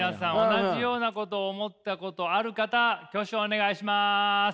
同じようなことを思ったことある方挙手お願いします。